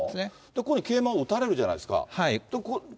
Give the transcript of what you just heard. ここに桂馬を打たれるじゃないですか。